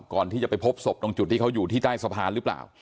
ก่อนที่จะไปพบศพตรงจุดที่เขาอยู่ที่ใต้สะพานหรือเปล่า